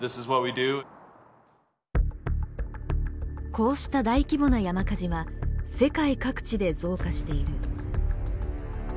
こうした大規模な山火事は世界各地で増加している。